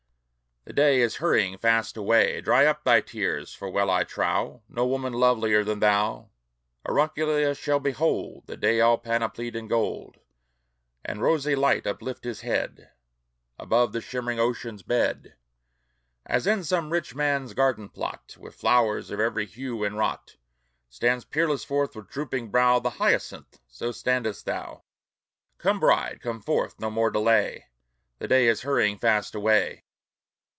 The day is hurrying fast away!" Dry up thy tears! For well I trow, No woman lovelier than thou, Aurunculeia, shall behold The day all panoplied in gold, And rosy light uplift his head Above the shimmering ocean's bed! As in some rich man's garden plot, With flowers of every hue inwrought, Stands peerless forth with drooping brow The hyacinth, so standest thou! Come, bride, come forth! no more delay! The day is hurrying fast away!